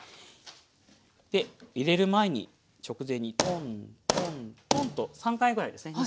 で入れる前に直前にポンポンポンと３回ぐらいですね。